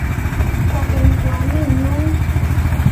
Po keny kwaninyu